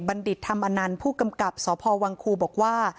ตัวเอกบัณฑิตธรรมนันผู้กำกับสพวังคูบอกว่า